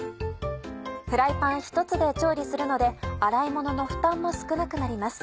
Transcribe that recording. フライパンひとつで調理するので洗い物の負担も少なくなります。